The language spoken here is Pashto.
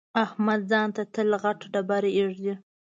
احمد ځان ته تل غټه ډبره اېږدي.